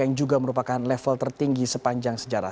yang juga merupakan level tertinggi sepanjang sejarah